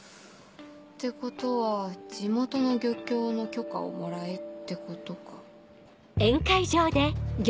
ってことは地元の漁協の許可をもらえってことか。